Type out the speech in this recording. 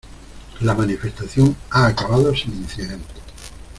La manifestación ha acabado sin incidentes.